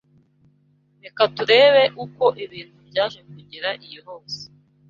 Reka turebe uko ibintu byaje kugera iyo hose